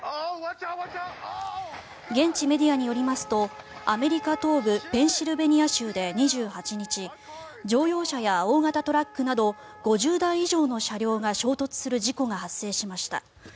現地メディアによりますとアメリカ東部ペンシルベニア州で２８日乗用車や大型トラックなど５０台以上の車両が衝突する事故が発生しました。